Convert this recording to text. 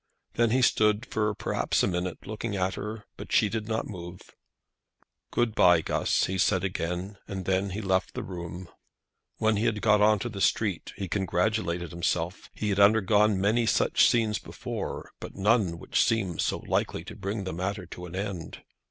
Then he stood for perhaps a minute looking at her, but she did not move. "Good bye, Guss," he said again, and then he left the room. When he got into the street he congratulated himself. He had undergone many such scenes before, but none which seemed so likely to bring the matter to an end.